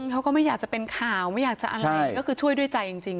เขาก็ไม่อยากจะเป็นข่าวไม่อยากจะอะไรก็คือช่วยด้วยใจจริง